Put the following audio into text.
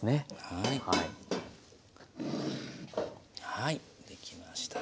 はいできました。